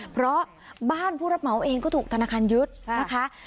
เพราะบ้านผู้รับเหมาเองก็ถูกธนาคารยึดนะคะ